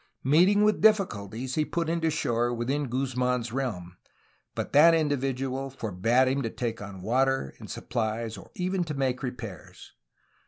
Meet ing with difficulties he put in to shore within Guzman's realm, but that individual forbade him to take on water and supplies or even to make repairs.